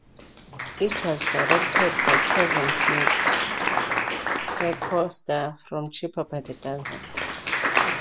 It was directed by Kevin Schmidt, her co-star from "Cheaper by the Dozen".